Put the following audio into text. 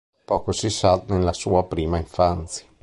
Poco si sa nella sua prima infanzia.